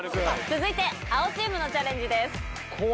続いて青チームのチャレンジです。